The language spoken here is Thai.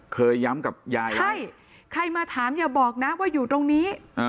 เคยย้ำกับยายใช่ใครมาถามอย่าบอกนะว่าอยู่ตรงนี้